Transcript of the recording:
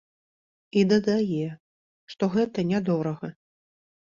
І дадае, што гэта нядорага.